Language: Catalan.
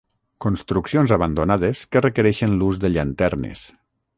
Construccions abandonades que requereixen l'ús de llanternes.